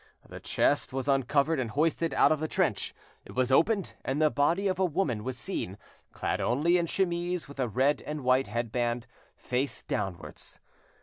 The chest was uncovered and hoisted out of the trench; it was opened, and the body of a woman was seen, clad only in a chemise, with a red and white headband, face downwards.